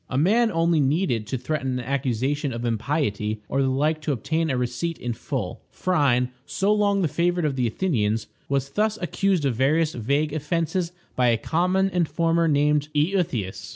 A man only needed to threaten an accusation of impiety or the like to obtain a receipt in full. Phryne, so long the favorite of the Athenians, was thus accused of various vague offenses by a common informer named Euthias.